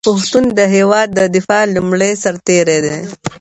پښتون د هېواد د دفاع لومړی سرتېری دی.